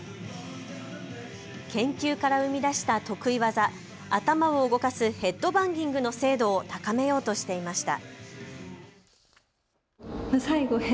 研究から生み出した得意技、頭を動かすヘッドバンギングの精度を高めようとしていました。